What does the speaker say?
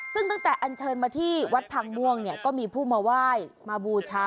ซึ่งตั้งแต่อันเชิญมาที่วัดพังม่วงเนี่ยก็มีผู้มาไหว้มาบูชา